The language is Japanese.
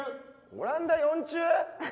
オランダ４中？